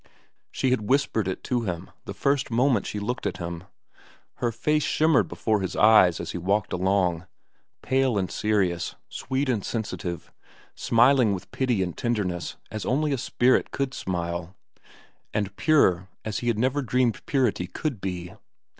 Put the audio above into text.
She had whispered it to him the first moment she looked at him. Her face shimmered before his eyes as he walked along,—pale and serious, sweet and sensitive, smiling with pity and tenderness as only a spirit could smile, and pure as he had never dreamed purity could be.